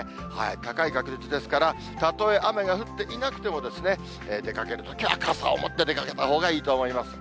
高い確率ですから、例え雨が降っていなくても、出かけるときは傘を持って出かけたほうがいいと思います。